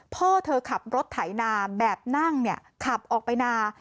เพื่อเธอขับรถถ่ายนามแบบนั่งขับออกไปนา